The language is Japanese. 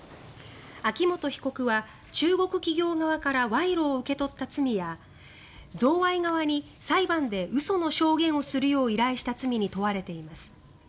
秋元被告は中国企業側から賄賂を受け取った罪や贈賄側に裁判で嘘の証言をするよう依頼した罪に問われています。